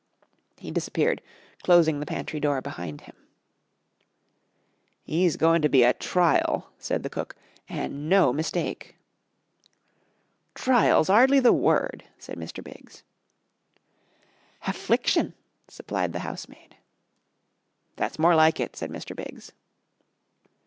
He disappeared, closing the pantry door behind him. "'E's goin' to be a trile," said the cook, "an' no mistake." "Trile's 'ardly the word," said Mr. Biggs. "Haffliction," supplied the housemaid. "That's more like it," said Mr. Biggs.